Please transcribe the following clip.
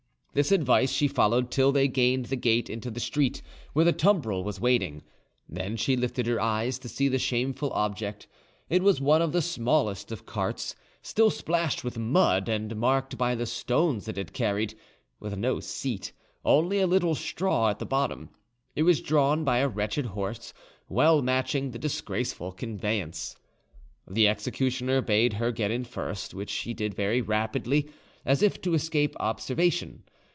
This advice she followed till they gained the gate into the street where the tumbril was waiting; then she lifted her eyes to see the shameful object. It was one of the smallest of carts, still splashed with mud and marked by the stones it had carried, with no seat, only a little straw at the bottom. It was drawn by a wretched horse, well matching the disgraceful conveyance. The executioner bade her get in first, which she did very rapidly, as if to escape observation.